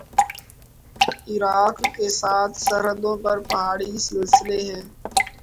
عراق کے ساتھ سرحدوں پر پہاڑی سلسلے ہیں